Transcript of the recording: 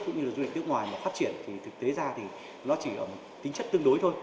cũng như là du lịch nước ngoài mà phát triển thì thực tế ra thì nó chỉ ở một tính chất tương đối thôi